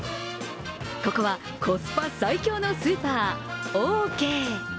ここはコスパ最強のスーパー、オーケー。